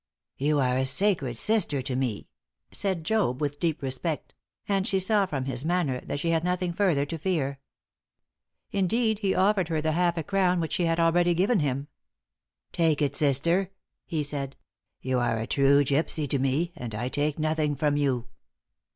"You are a sacred sister to me," said Job, with deep respect; and she saw from his manner that she had nothing further to fear. Indeed, he offered her the half a crown which she had already given him. "Take it, sister," he said. "You are a true gypsy to me, and I take nothing from you."